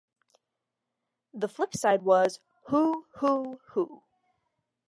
The flip side was "Who Who Who".